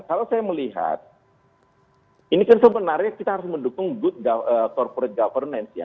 kalau saya melihat ini kan sebenarnya kita harus mendukung good corporate governance ya